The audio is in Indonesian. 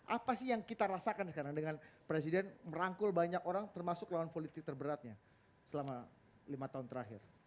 apa sih yang kita rasakan sekarang dengan presiden merangkul banyak orang termasuk lawan politik terberatnya selama lima tahun terakhir